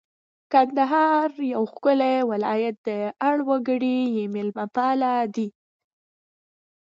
کندهار یو ښکلی ولایت دی اړ وګړي یې مېلمه پاله دي